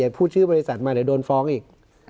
พูดชื่อบริษัทมาเดี๋ยวโดนฟ้องอีก